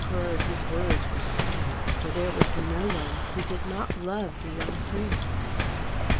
heard his words were sad, for there was no one who did not love the young prince.